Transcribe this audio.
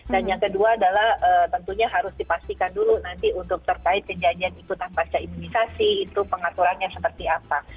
dan yang kedua adalah tentunya harus dipastikan dulu nanti untuk terkait penjanjian ikutan pasca imunisasi itu pengaturannya seperti apa